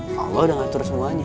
ya allah udah ngatur semuanya